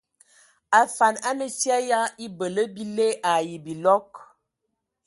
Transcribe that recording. Afan a nə fyƐ ya ebələ bile ai bilɔg.